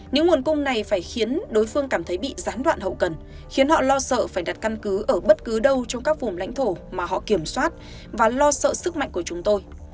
những nguồn cung này phải khiến đối phương cảm thấy bị gián đoạn hậu cần khiến họ lo sợ phải đặt căn cứ ở bất cứ đâu trong các vùng lãnh thổ mà họ kiểm soát và lo sợ sức mạnh của chúng tôi